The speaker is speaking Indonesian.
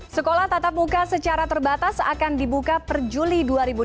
sekolah tatap muka secara terbatas akan dibuka per juli dua ribu dua puluh